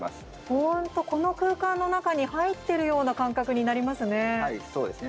本当、この空間の中に入ってるような感覚になりますね。